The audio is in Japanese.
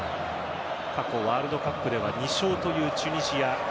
過去ワールドカップでは２勝というチュニジア